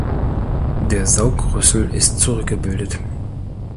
Der Saugrüssel ist zurückgebildet.